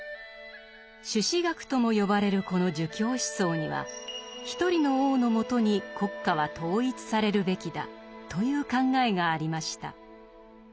「朱子学」とも呼ばれるこの儒教思想には「一人の王のもとに国家は統一されるべきだ」という考えがありました。